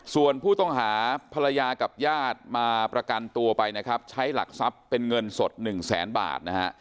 ส่วนผู้ต้องหาภรรยากับญาติมาประกันตัวไปนะครับใช้หลักทรัพย์เป็นเงินสด๑แสนบาทนะฮะ